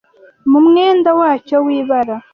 mu mwenda wacyo w'ibara